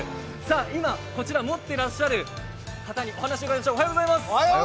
今、持ってらっしゃる方にお話を伺いましょう。